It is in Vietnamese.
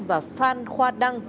và phan khoa đăng